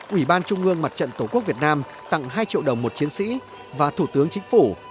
ủy ban trung ương mặt trận tổ quốc việt nam tặng hai triệu đồng một chiến sĩ và thủ tướng chính phủ